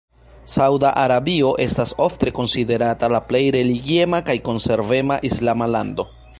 Sauda Arabio estas ofte konsiderata la plej religiema kaj konservema islama lando.